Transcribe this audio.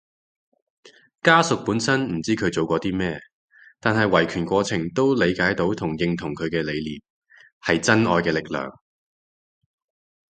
家屬本身唔知佢做過啲咩，但喺維權過程都理解到同認同佢嘅理念，係真愛嘅力量